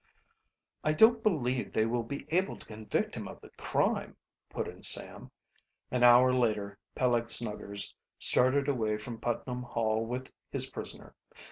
"I don't believe they will be able to convict him of the crime," put in Sam. An hour later Peleg Snuggers started away from Putnam Hall with his prisoner.